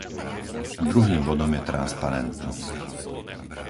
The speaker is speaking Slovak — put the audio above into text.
Druhým bodom je transparentnosť.